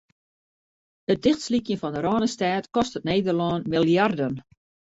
It tichtslykjen fan de Rânestêd kostet Nederlân miljarden.